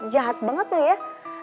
jahat banget lo ya